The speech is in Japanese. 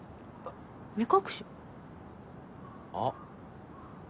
あっ。